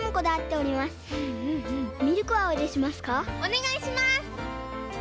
おねがいします！